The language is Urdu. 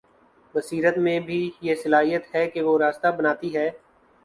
بصیرت میں بھی یہ صلاحیت ہے کہ وہ راستہ بناتی ہے۔